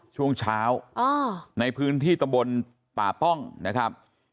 ช่วงเช้าในพื้นที่ตะบนป่าป้องนะครับ